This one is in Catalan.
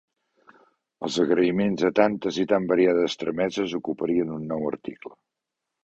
Els agraïments de tantes i tan variades trameses ocuparien un nou article.